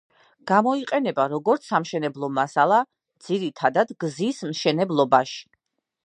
გამოიყენება როგორც სამშენებლო მასალა, ძირითადად გზის მშენებლობაში.